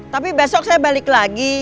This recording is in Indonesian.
tapi besok saya balik lagi